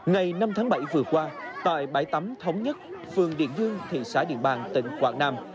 ngày năm tháng bảy vừa qua tại bãi tắm thống nhất phường điện dương thị xã điện bàn tỉnh quảng nam